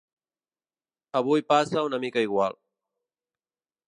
Avui passa una mica igual.